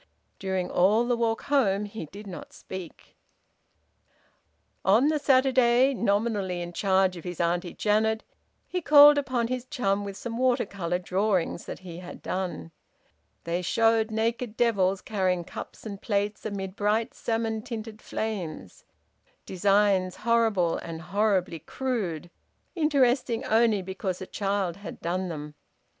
During all the walk home he did not speak. On the Saturday, nominally in charge of his Auntie Janet, he called upon his chum with some water colour drawings that he had done; they showed naked devils carrying cups and plates amid bright salmon tinted flames: designs horrible, and horribly crude, interesting only because a child had done them.